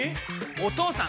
お義父さん！